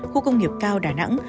khu công nghiệp cao đà nẵng